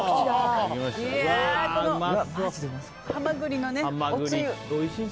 ハマグリの、おつゆ。